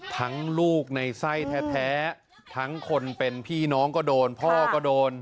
ลูกในไส้แท้ทั้งคนเป็นพี่น้องก็โดนพ่อก็โดน